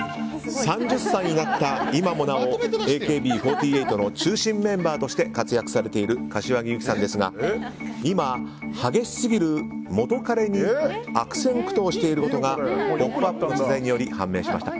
３０歳になった今もなおＡＫＢ４８の中心メンバーとして活躍されている柏木由紀さんですが今、激しすぎる元カレに悪戦苦闘していることが「ポップＵＰ！」の取材により判明しました。